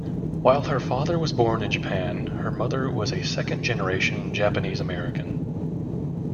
While her father was born in Japan, her mother was a second-generation Japanese-American.